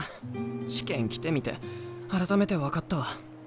試験来てみて改めて分かったわ。